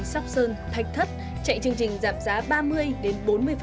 sóc sơn thạch thất chạy chương trình giảm giá ba mươi đến bốn mươi